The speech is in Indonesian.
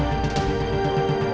kita makan malam bareng